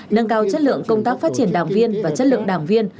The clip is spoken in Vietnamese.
nâng cao chất lượng công tác phát triển đảng viên và chất lượng đảng viên